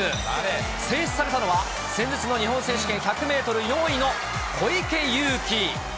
選出されたのは、先日の日本選手権１００メートル４位の小池祐貴。